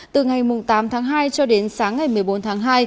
từ ngày tám tháng hai cho đến sáng ngày một mươi bốn tháng hai